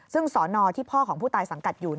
ซึ่งสอนอที่พ่อของผู้ตายสังกัดอยู่